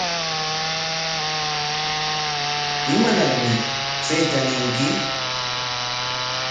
¿Imanarmi chayta ñinki?